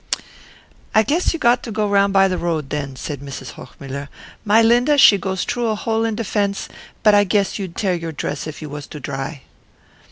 "I guess you got to go round by the road, then," said Mrs. Hochmuller. "My Linda she goes troo a hole in de fence, but I guess you'd tear your dress if you was to dry."